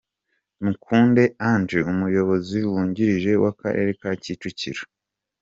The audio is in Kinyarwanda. Mukunde Angel umuyobozi wungirije w'akarere ka Kicukiro.